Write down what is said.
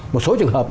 một số trường hợp